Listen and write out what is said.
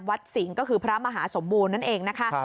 สิงห์ก็คือพระมหาสมบูรณ์นั่นเองนะคะ